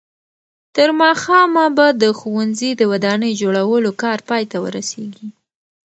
تر ماښامه به د ښوونځي د ودانۍ جوړولو کار پای ته ورسېږي.